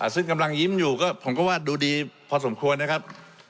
ซึ่งกำลังยิ้มอยู่ก็ผมก็ว่าดูดีพอสมควรนะครับ